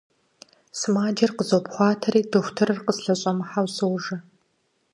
Сымаджэр къызопхъуатэри дохутырыр къыслъэщӀэмыхьэу сожэ…